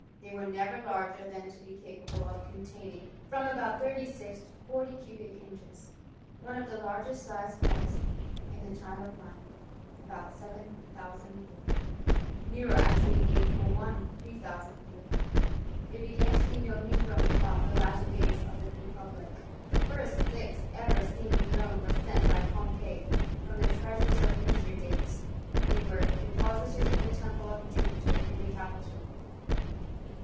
They were never Isu'ger than to be capable of containinff frcmi about thirty six to forty cubic inches. One of the largest size cost, in tlie time of Pliny, about 7000/* Nero actually gave for one 3000Z. They began to be known in Rome about the latter days of the republic* The first six ever seen in Rome were sent by Pompey from the treasures of Mithridates. They were depo* sited in the temple of Jupiter in the capitol.